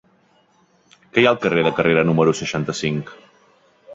Què hi ha al carrer de Carrera número seixanta-cinc?